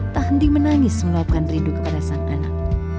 tak henti menangis meluapkan rindu kekerasan anak